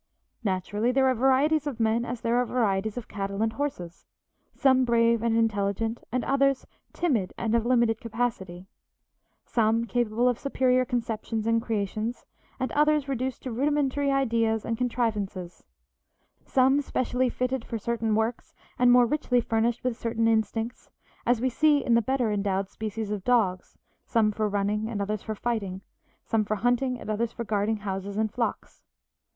Naturally, there are varieties of men as there are varieties of cattle and horses, some brave and intelligent, and others timid and of limited capacity; some capable of superior conceptions and creations, and others reduced to rudimentary ideas and contrivances; some specially fitted for certain works, and more richly furnished with certain instincts, as we see in the better endowed species of dogs, some for running and others for fighting, some for hunting and others for guarding houses and flocks.